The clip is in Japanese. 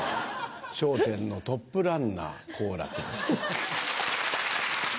『笑点』のトップランナー好楽です。